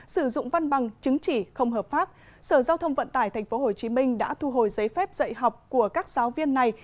sử dụng văn bằng chứng chỉ không hợp pháp sở giao thông vận tải tp hcm đã thu hồi giấy phép dạy học của các giáo viên này